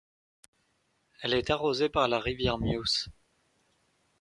Elle est arrosée par la rivière Mious.